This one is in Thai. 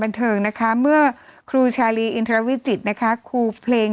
บันเทิงนะคะเมื่อครูชาลีอินทรวิจิตรนะคะครูเพลง